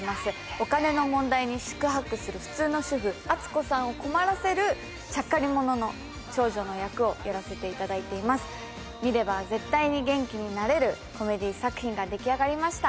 お金の問題に四苦八苦する普通の主婦篤子さんを困らせるちゃっかり者の長女の役をやらせていただいています見れば絶対に元気になれるコメディー作品が出来上がりました